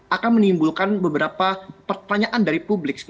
akan menimbulkan beberapa pertanyaan dari publik